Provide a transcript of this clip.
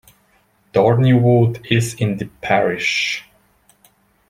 Dorneywood is in the parish.